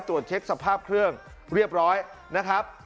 ตรวจเช็คสภาพเครื่องเรียบร้อยนะครับ